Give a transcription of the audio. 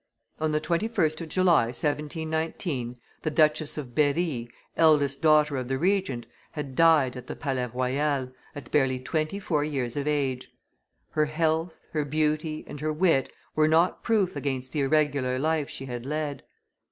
On the 21st of July, 1719, the Duchess of Berry, eldest daughter of the Regent, had died at the Palais Royal, at barely twenty four years of age; her health, her beauty, and her wit were not proof against the irregular life she had led.